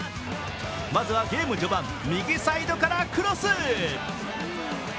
まずはゲーム序盤右サイドからクロス。